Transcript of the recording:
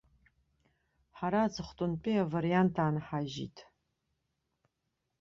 Ҳара аҵыхәтәантәи авариант аанҳажьит.